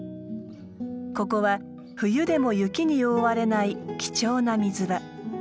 ここは冬でも雪に覆われない貴重な水場。